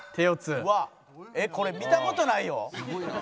うわあこれ見た事ないよ。